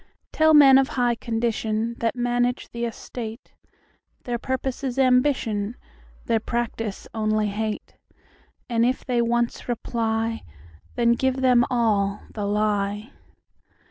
Tell men of high condition, That manage the estate, Their purpose is ambition, Their practice only hate:And if they once reply, Then give them all the lie.